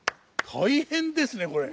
大変ですねこれ。